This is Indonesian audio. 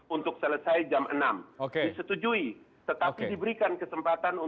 untuk selesai jam enam